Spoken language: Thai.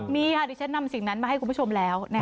มีค่ะดิฉันนำสิ่งนั้นมาให้คุณผู้ชมแล้ว